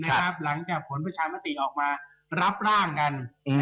หลังจากผลประชามติออกมารับร่างกัน